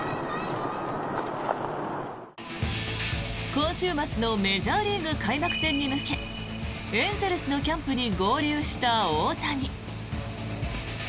今週末のメジャーリーグ開幕戦に向けエンゼルスのキャンプに合流した大谷。